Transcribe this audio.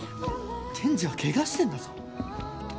天智は怪我してんだぞ。